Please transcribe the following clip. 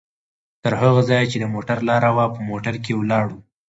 تر هغه ځایه چې د موټر لاره وه، په موټر کې ولاړو؛